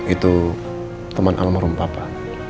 itu teman almarhum papa